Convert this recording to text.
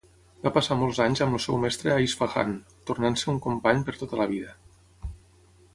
Va passar molts anys amb el seu mestre a Isfahan, tornant-se un company per tota la vida.